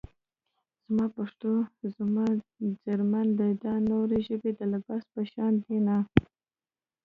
زما پښتو زما څرمن ده - دا نورې ژبې د لباس په شاندې دينه